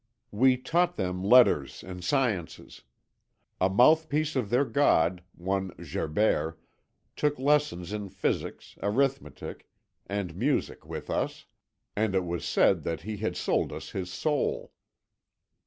"We taught them letters and sciences. A mouthpiece of their god, one Gerbert, took lessons in physics, arithmetic, and music with us, and it was said that he had sold us his soul.